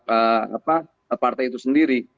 karena ada partai itu sendiri